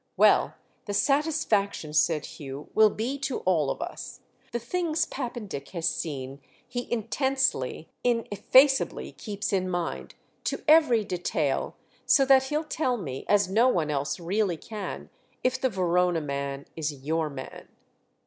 "Well, the satisfaction," said Hugh, "will be to all of us. The things Pappendick has seen he intensely, ineffaceably keeps in mind, to every detail; so that he'll tell me—as no one else really can—if the Verona man is your man."